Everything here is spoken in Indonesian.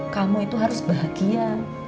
kamu itu harus bahagia